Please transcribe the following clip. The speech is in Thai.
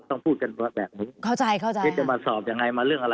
ต้องพูดกันแบบนึง